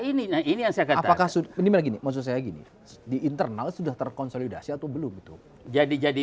ini nah ini yang saya katakan maksud saya gini di internal sudah terkonsolidasi atau belum jadi jadi